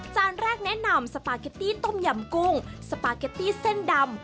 แรกแนะนำสปาเกตตี้ต้มยำกุ้งสปาเกตตี้เส้นดำ